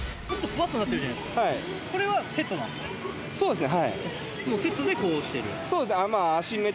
そうですね。